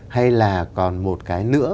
hay là còn một cái nữa